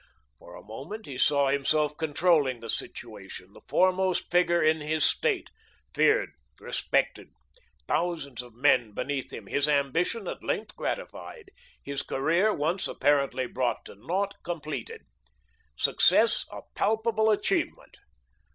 For a moment, he saw himself controlling the situation, the foremost figure in his State, feared, respected, thousands of men beneath him, his ambition at length gratified; his career, once apparently brought to naught, completed; success a palpable achievement.